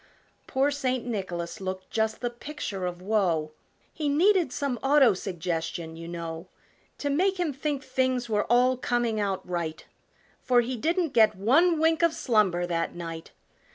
'" Poor St. Nicholas looked just the picture of woe, He needed some auto suggestion, you know, To make him think things were all coming out right, For he didn't get one wink of slumber that night!